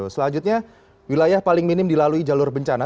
selanjutnya wilayah paling minim dilalui jalur bencana